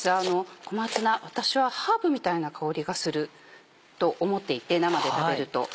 小松菜私はハーブみたいな香りがすると思っていて生で食べると。